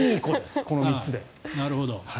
この３つで。